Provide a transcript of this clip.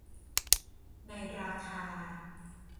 ในราคา